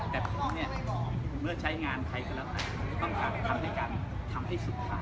แต่ผมเนี่ยเมื่อใช้งานใครก็แล้วแต่ผมต้องการบังคับในการทำให้สุดท้าย